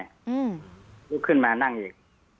ลุกขึ้นมานั่งอีก